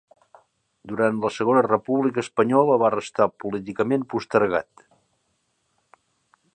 Durant la Segona República Espanyola va restar políticament postergat.